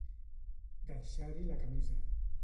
Deixar-hi la camisa.